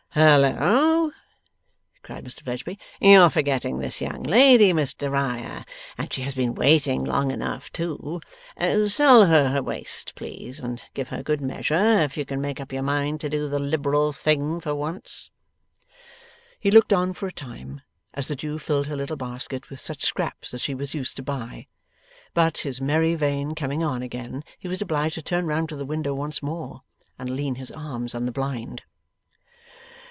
'Halloa!' cried Mr Fledgeby, 'you're forgetting this young lady, Mr Riah, and she has been waiting long enough too. Sell her her waste, please, and give her good measure if you can make up your mind to do the liberal thing for once.' He looked on for a time, as the Jew filled her little basket with such scraps as she was used to buy; but, his merry vein coming on again, he was obliged to turn round to the window once more, and lean his arms on the blind.